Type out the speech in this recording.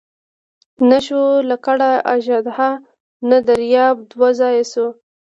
نه شوه لکړه اژدها نه دریاب دوه ځایه شو.